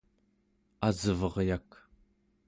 Asveryak